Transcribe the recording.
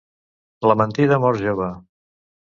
La mentida mor jove.